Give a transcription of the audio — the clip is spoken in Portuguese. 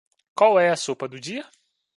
Qual é a sopa do dia?